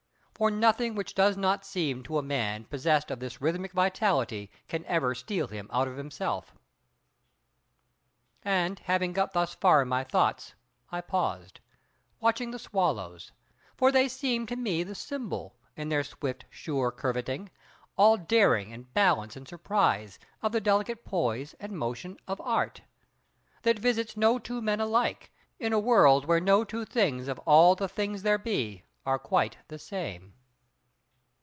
For nothing which does not seem to a man possessed of this rhythmic vitality, can ever steal him out of himself. And having got thus far in my thoughts, I paused, watching the swallows; for they seemed to me the symbol, in their swift, sure curvetting, all daring and balance and surprise, of the delicate poise and motion of Art, that visits no two men alike, in a world where no two things of all the things there be, are quite the same.